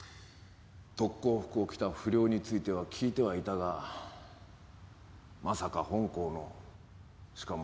特攻服を着た不良については聞いてはいたがまさか本校のしかも生徒会長だったとは。